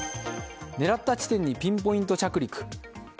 狙った地点にピンポイント着陸。